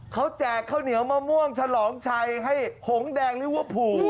เขาแจกข้าวเหนียวมะม่วงฉลองชัยให้หงแดงลิเวอร์พูล